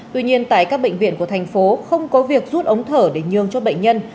tuy nhiên tại các bệnh viện của thành phố không có việc rút ống thở để nhường cho bệnh nhân